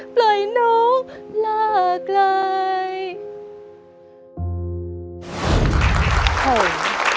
ปล่อยน้องลาไกล